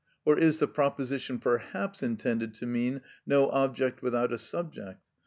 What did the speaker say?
Or is the proposition perhaps intended to mean: no object without a subject?